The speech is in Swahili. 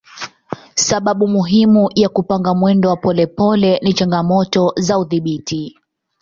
Sababu muhimu ya kupanga mwendo wa polepole ni changamoto za udhibiti.